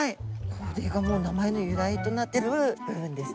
これがもう名前の由来となってる部分ですね。